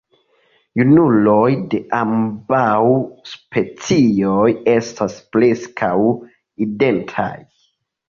Junuloj de ambaŭ specioj estas preskaŭ identaj.